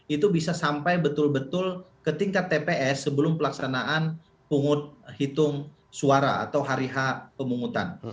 itu bisa sampai betul betul ke tingkat tps sebelum pelaksanaan hitung suara atau hari h pemungutan